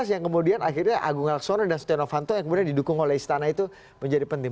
oke dua ribu empat belas ya kemudian akhirnya agung alexander dan steno fanto yang kemudian didukung oleh istana itu menjadi penting